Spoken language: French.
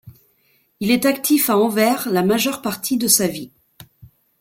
Il est actif à Anvers la majeure partie de sa vie.